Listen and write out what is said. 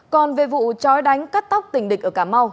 còn về vụ trói đánh cắt tóc tình địch ở cà mau